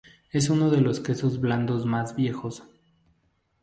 Es uno de los quesos blandos más viejos.